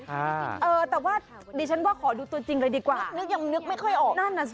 แต่ว่าดิฉันขอดูตัวจริงเลยดีกว่า